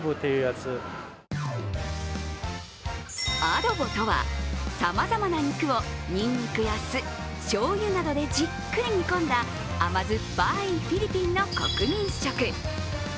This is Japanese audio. アドボとは、さまざまな肉をにんにくや酢、しょうゆなどでじっくり煮込んだ甘酸っぱいフィリピンの国民食。